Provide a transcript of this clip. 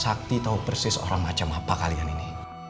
sakti tahu persis orang macam apa kalian ini